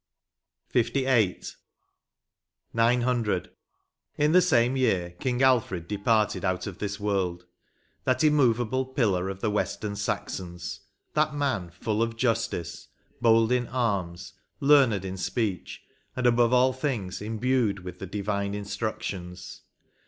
116 LVIII. " 900 ... .In the same year King Alfred de parted out of this world ; that immovable pillar of the Western Saxons — that man full of justice, bold in arms, learned in speech, and, above all things, imbued with the divine instructions.